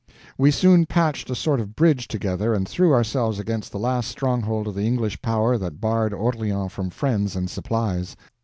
We soon patched a sort of bridge together and threw ourselves against the last stronghold of the English power that barred Orleans from friends and supplies.